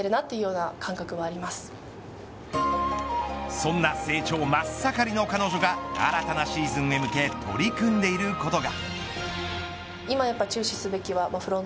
そんな成長まっ盛りの彼女が新たなシーズンへ向け取り組んでいることが。